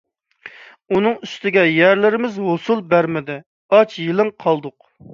ئۇنىڭ ئۈستىگە، يەرلىرىمىز ھوسۇل بەرمىدى. ئاچ - يېلىڭ قالدۇق.